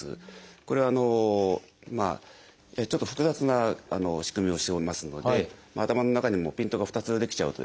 これはちょっと複雑な仕組みをしておりますので頭の中にもピントが２つ出来ちゃうとですね